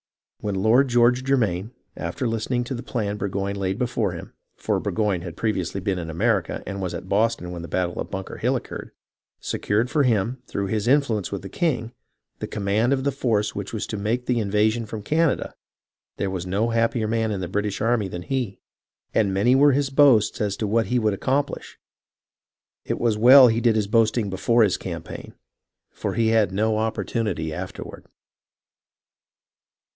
When Lord George Germain, after listening to the plan Burgoyne laid before him, for Burgoyne had previously been in America and was at Boston when the battle of Bunker Hill occurred, secured for him, through his influ ence with the king, the command of the force which was to make the invasion from Canada, there was no happier man in the British army than he, and many were his boasts as to what he would accomplish. It was well he did his boasting before his campaign, for he had no opportunity afterward.